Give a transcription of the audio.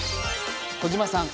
小島さん。